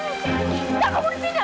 jangan kamu di sini amira